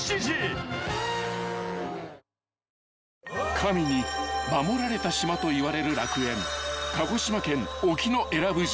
［神に守られた島といわれる楽園］